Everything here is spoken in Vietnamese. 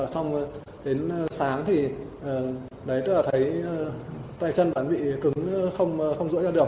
xong đến sáng thì thấy tay chân bạn ấy bị cứng không rũi ra được